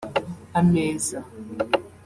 ameza